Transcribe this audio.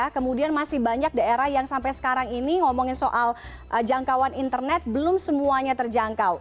kemudian masih banyak daerah yang sampai sekarang ini ngomongin soal jangkauan internet belum semuanya terjangkau